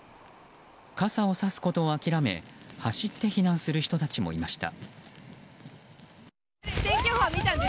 傘をさすことを諦め走って避難する人たちもいました。